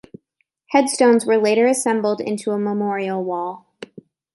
Headstones were later assembled into a memorial wall.